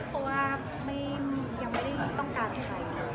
เพราะว่ายังไม่ได้ต้องการใคร